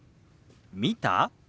「見た？」。